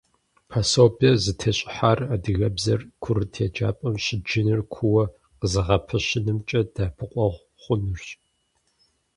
Пособиер зытещӀыхьар адыгэбзэр курыт еджапӀэм щыджыныр кууэ къызэгъэпэщынымкӀэ дэӀэпыкъуэгъу хъунырщ.